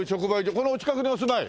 このお近くにお住まい？